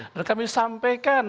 dan kami sampaikan